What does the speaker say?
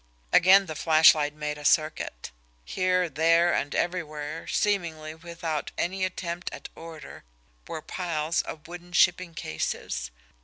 Again the flashlight made a circuit. Here, there, and everywhere, seemingly without any attempt at order, were piles of wooden shipping cases.